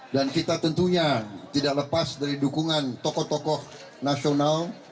dan kita tentunya tidak lepas dari dukungan tokoh tokoh nasional